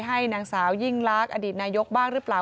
ให้นางสาวยิ่งลักษณ์อดีตนายกบ้างหรือเปล่า